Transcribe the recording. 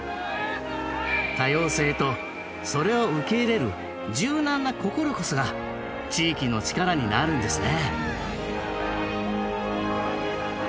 多様性とそれを受け入れる柔軟な心こそが地域の力になるんですね。